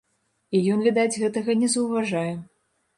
І ён, відаць, гэтага не заўважае.